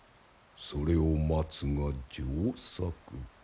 それを待つが上策。